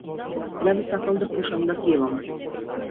Јас би сакал да пушам, да ти ебам.